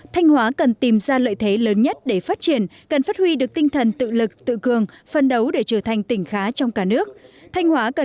thanh hóa cần chuẩn bị hội nhập tốt hơn cần phát huy được tinh thần tự lực tự cường phân đấu để trở thành tỉnh khá trong cả nước